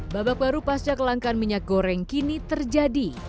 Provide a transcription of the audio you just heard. babak baru pasca kelangkaan minyak goreng kini terjadi